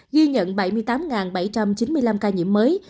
ghi nhận bảy mươi tám bảy trăm chín mươi năm ca nhiễm mới